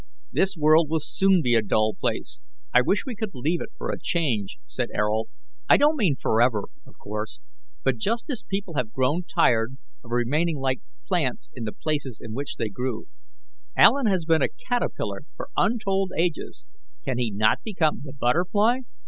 "This world will soon be a dull place. I wish we could leave it for a change," said Ayrault. "I don't mean forever, of course, but just as people have grown tired of remaining like plants in the places in which they grew. Alan has been a caterpillar for untold ages; can he not become the butterfly?"